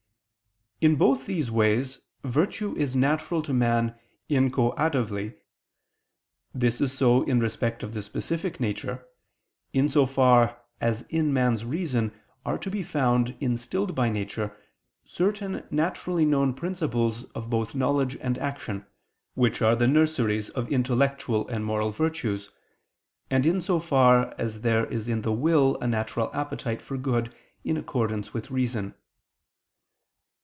In both these ways virtue is natural to man inchoatively. This is so in respect of the specific nature, in so far as in man's reason are to be found instilled by nature certain naturally known principles of both knowledge and action, which are the nurseries of intellectual and moral virtues, and in so far as there is in the will a natural appetite for good in accordance with reason.